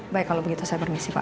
baik kalau begitu saya bermisi pak